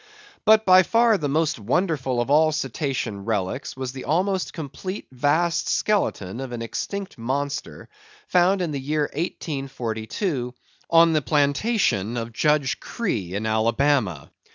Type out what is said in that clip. But by far the most wonderful of all Cetacean relics was the almost complete vast skeleton of an extinct monster, found in the year 1842, on the plantation of Judge Creagh, in Alabama.